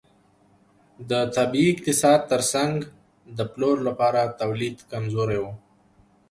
د طبیعي اقتصاد ترڅنګ د پلور لپاره تولید کمزوری و.